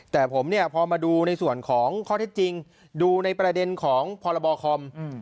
แต่ผมเนี่ยพอมาดูในส่วนของข้อเท็จจริงดูในประเด็นของพรบคอม